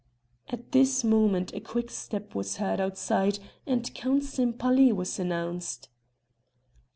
At this moment a quick step was heard outside and Count Sempaly was announced.